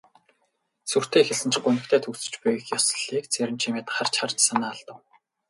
Сүртэй эхэлсэн ч гунигтай төгсөж буй их ёслолыг Цэрэнчимэд харж харж санаа алдав.